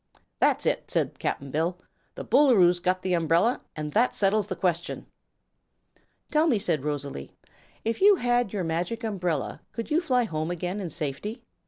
"That's it," said Cap'n Bill; "the Boolooroo's got the umbrel, an' that settles the question." "Tell me," said Rosalie; "if you had your Magic Umbrella, could you fly home again in safety?"